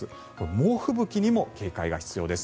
猛吹雪にも警戒が必要です。